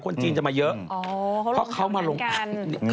คนจีนจะมาเยอะเพราะเขามาลงกัน